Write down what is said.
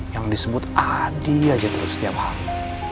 yang disebut adi aja tuh setiap hari